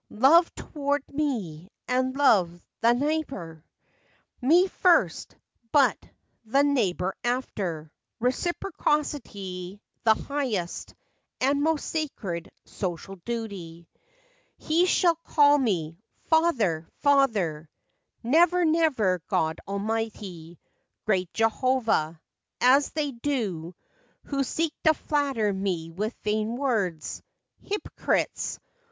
Love toward me, and toward the neighbor; Me first, but the neighbor after— Reciprocity the highest, And most sacred, social duty !' He shall call me 4 Father,' ' Father Never, never, 'God Almighty! Great Jehovah !' as they do who Seek to flatter me with vain words. Hypocrites!